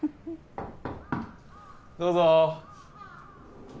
どうぞ。